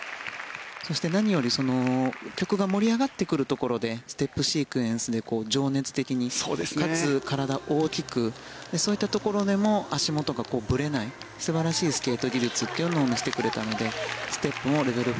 そして何より曲が盛り上がってくるところでステップシークエンスで情熱的に、かつ体を大きくそういったところでも足元がぶれない素晴らしいスケート技術というのを見せてくれたのでステップもレベル